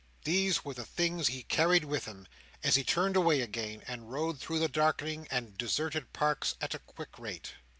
These were the things he carried with him as he turned away again, and rode through the darkening and deserted Parks at a quick rate.